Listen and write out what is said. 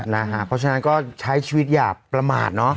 เพราะฉะนั้นก็ใช้ชีวิตอย่าประมาทเนอะ